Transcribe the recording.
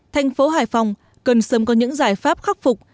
thành phố hải phòng cần sớm có những giải pháp khắc phục